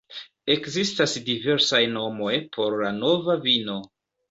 Ekzistas diversaj nomoj por la nova vino.